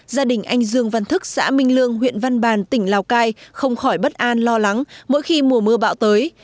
gia đình anh dương văn thức xã minh lương huyện văn bàn tỉnh lào cai không khỏi bất an lo lắng mỗi khi mùa mưa bão tới